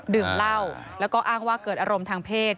ดื่มเหล้าแล้วก็อ้างว่าเกิดอารมณ์ทางเพศ